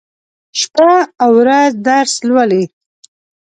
شپه او ورځ درس لولي.